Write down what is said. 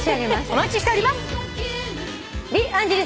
お待ちしております。